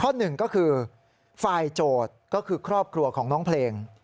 หนึ่งก็คือฝ่ายโจทย์ก็คือครอบครัวของน้องเพลง